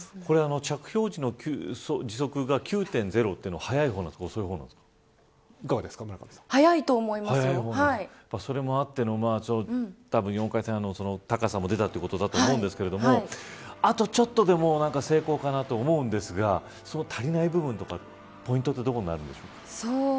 着氷時の持続が９．０の入り方なんですかそれもあっての４回転半の高さも出たということだと思うんですがあとちょっとで、もう成功かなと思うんですがその足りない部分とかポイントはどこにあるんですか。